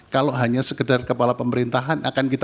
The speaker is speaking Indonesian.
kalau hanya sekedar kepala pemerintahan akan kita